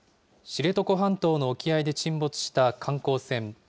知床半島の沖合で沈没した観光船。